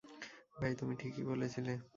ভাই, তুমি ঠিকই বলেছিলে।